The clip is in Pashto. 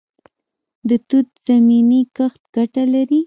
د توت زمینی کښت ګټه لري؟